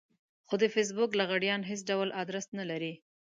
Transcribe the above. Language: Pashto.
خو د فېسبوک لغړيان هېڅ ډول ادرس نه لري.